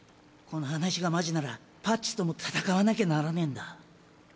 この話がマジならパッチとも戦わなきゃならねえんだ。